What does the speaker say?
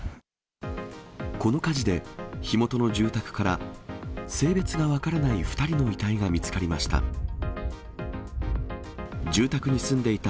この火事で火元の住宅から、性別が分からない２人の遺体が見つかりました。